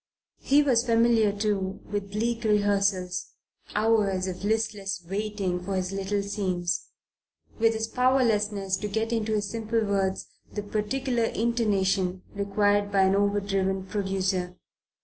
He was familiar, too, with bleak rehearsals, hours of listless waiting for his little scenes; with his powerlessness to get into his simple words the particular intonation required by an overdriven producer.